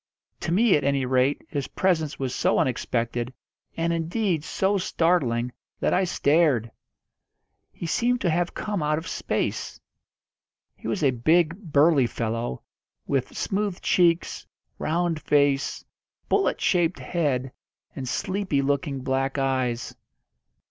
To me at any rate his presence was so unexpected, and, indeed, so startling, that I stared. He seemed to have come out of space. He was a big, burly fellow, with smooth cheeks, round face, bullet shaped head, and sleepy looking black eyes.